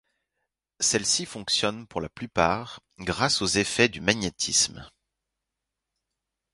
Celles-ci fonctionnent, pour la plupart, grâce aux effets du magnétisme.